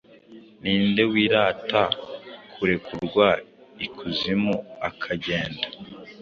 Ninde wirata kurekurwa ikuzimu, akagenda